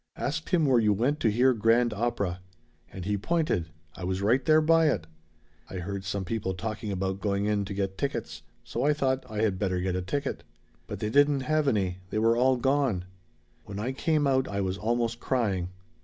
Asked him where you went to hear grand opera. And he pointed. I was right there by it. "I heard some people talking about going in to get tickets. So I thought I had better get a ticket. "But they didn't have any. They were all gone. "When I came out I was almost crying.